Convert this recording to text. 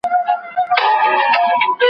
اسیدونه میکروبونو ته زیان رسوي.